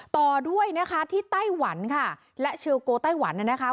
ต่อด้วยนะคะที่ไต้หวันค่ะและเชลโกไต้หวันน่ะนะคะ